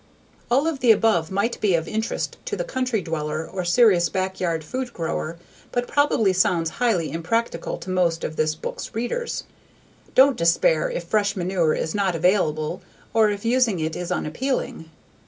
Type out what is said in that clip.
All of the above might be of interest to the country dweller or serious backyard food grower but probably sounds highly impractical to most of this book's readers. Don't despair if fresh manure is not available or if using it is unappealing.